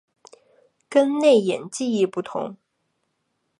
跟内隐记忆不同。